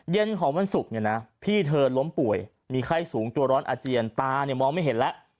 เย็นของวันศุกร์เนี่ยนะพี่เธอล้มป่วยมีไข้สูงตัวร้อนอาเจียนตาเนี่ยมองไม่เห็นแล้ว